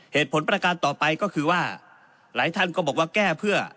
เหตุผลประการต่อไปก็คือว่าหลายท่านก็บอกว่าแก้เพื่อ